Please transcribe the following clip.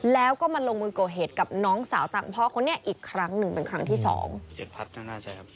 แล้วก็มาลงมือโกเหตุกับน้องสาวต่างพ่อเขาเนี่ยอีกครั้งหนึ่งเป็นครั้งที่สอง